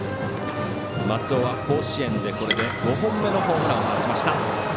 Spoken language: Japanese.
松尾は甲子園でこれで５本目のホームランを放ちました。